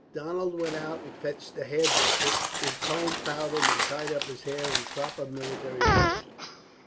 Donald went out and fetched a hairdresser, who combed, powdered, and tied up his hair in proper military fashion.